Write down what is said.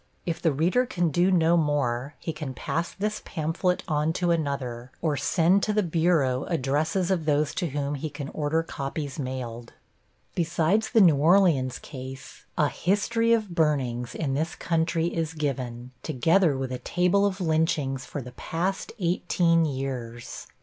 If the reader can do no more, he can pass this pamphlet on to another, or send to the bureau addresses of those to whom he can order copies mailed. Besides the New Orleans case, a history of burnings in this country is given, together with a table of lynchings for the past eighteen years.